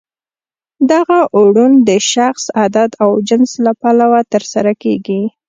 دغه اوړون د شخص، عدد او جنس له پلوه ترسره کیږي.